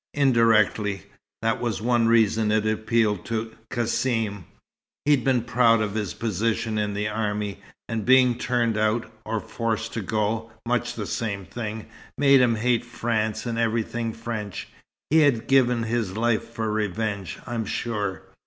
"Indirectly. That was one reason it appealed to Cassim. He'd been proud of his position in the army, and being turned out, or forced to go much the same thing made him hate France and everything French. He'd have given his life for revenge, I'm sure.